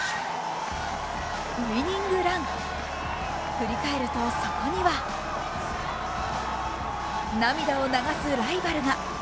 ウイニングラン振り返ると、そこには涙を流すライバルが。